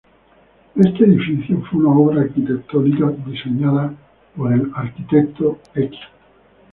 Este edificio fue una obra arquitectónica diseñada por el Arq.